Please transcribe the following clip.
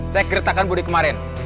cek keretakan budi kemarin